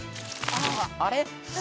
あれ？